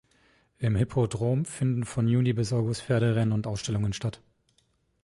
Im Hippodrom finden von Juni bis August Pferderennen und Ausstellungen statt.